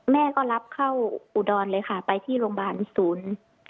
แม่ก็รับเข้าอุดรเลยค่ะไปที่โรงพยาบาลศูนย์